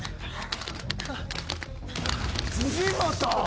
辻本！